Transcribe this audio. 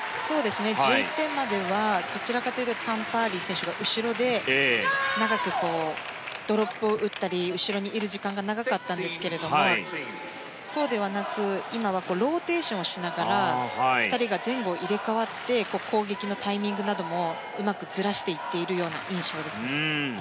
１１点まではどちらかというとタン・パーリー選手が後ろで長く、ドロップを打ったり後ろにいる時間が長かったんですけれどもそうではなく、今はローテーションをしながら２人が前後、入れ替わって攻撃のタイミングなどもうまくずらしていっているような印象ですね。